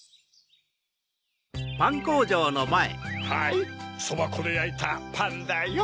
はいソバコでやいたパンだよ。